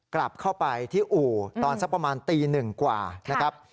กลับเข้าไปที่อู่ตอนสักประมาณตีหนึ่งกว่านะครับ